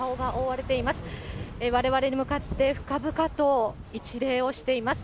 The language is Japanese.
われわれに向かって深々と一礼をしています。